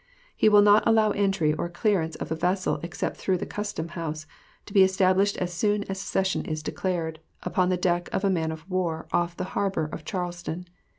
He will not allow entry or clearance of a vessel except through the Custom house, to be established as soon as secession is declared, upon the deck of a man of war off the harbor of Charleston.